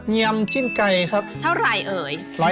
เยียมจิ้นไก่ครับเท่าไหร่เอ๋ย